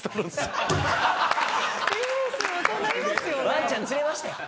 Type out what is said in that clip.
ワンちゃん連れましたよ。